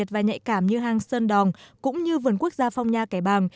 và nhạy cảm như hang sơn đòn cũng như vườn quốc gia phong nha kẻ bàng